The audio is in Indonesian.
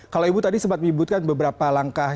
kalau ibu tadi sempat menyebutkan beberapa langkah